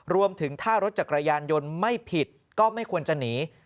รวมถึงถ้ารถจักรยานยนต์ไม่ผิดก็ไม่ควรจะหนี